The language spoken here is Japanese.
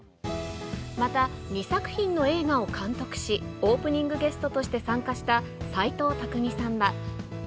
また、２作品の映画を監督し、オープニングゲストとして参加した、齊藤工さんは。